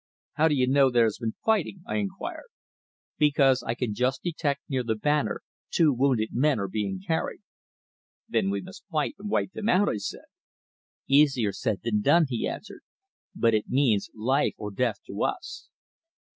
"How do you know there has been fighting?" I enquired. "Because I can just detect near the banner two wounded men are being carried." "Then we must fight and wipe them out," I said. "Easier said than done," he answered. "But it means life or death to us."